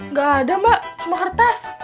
nggak ada mbak cuma kertas